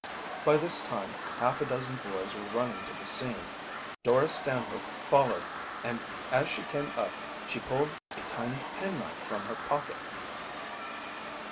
By this time half a dozen boys were running to the scene. Dora Stanhope followed, and as she came up she pulled a tiny penknife from her pocket.